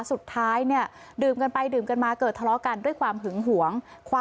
สุดท้ายเนี่ยดื่มกันไปดื่มกันมาเกิดทะเลาะกันด้วยความหึงหวง